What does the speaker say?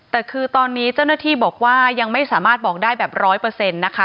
แต่คือตอนนี้เจ้าหน้าที่บอกว่ายังไม่สามารถบอกได้แบบร้อยเปอร์เซ็นต์นะคะ